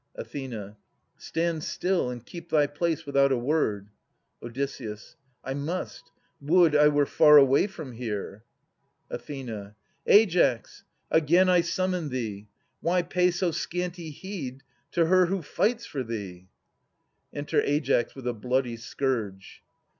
Ath. Stand still and keep thy place without a word. Od. I must. Would I were far away from here ! Ath. Aias ! again I summon thee. Why pay So scanty heed to her who fights for thee? Enter Aias with a bloody scourge.